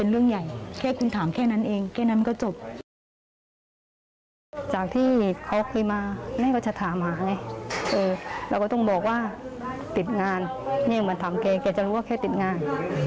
นี่มันถามแกแกจะรู้ว่าแค่ติดงาน